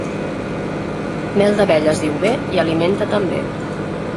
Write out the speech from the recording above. Mel d'abelles diu bé, i alimenta també.